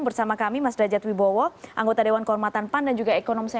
bisa saja dinaikkan harga